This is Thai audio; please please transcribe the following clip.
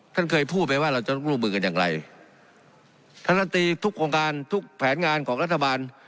ท่านเคยพูดไปว่าเราจะร่วมมือกันอย่างไรท่านรัฐตรีทุกโครงการทุกแผนงานของรัฐบาล